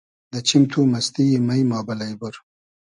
دۂ چیم تو مئستی یی مݷ ما بئلݷ بور